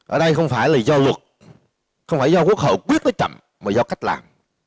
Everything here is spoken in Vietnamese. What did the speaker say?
ở đây không phải là do luật không phải do quốc hội quyết nó chậm mà do cách làm